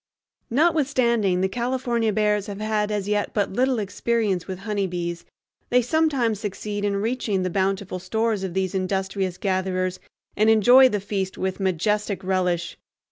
Notwithstanding the California bears have had as yet but little experience with honeybees, they sometimes succeed in reaching the bountiful stores of these industrious gatherers and enjoy the feast with majestic relish.